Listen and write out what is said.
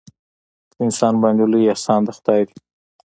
په انسان باندې لوی احسان د خدای دی.